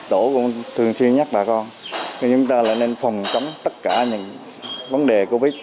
tổ cũng thường xuyên nhắc bà con chúng ta nên phòng chống tất cả những vấn đề